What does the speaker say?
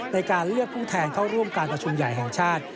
ในการเลือกผู้แทนเข้าร่วมการประชุมใหญ่แห่งชาติ